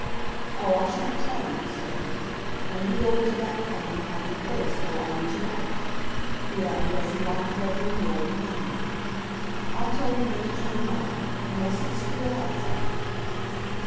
"Oh, I sha'n't tell you," said he. "Now you go into that corner and hide your face, while I reach it out," he added, as he locked the bedroom door behind them. "I'll tell you when to turn round. You mustn't squeal out, you know."